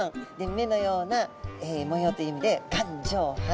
目のような模様という意味で眼状斑。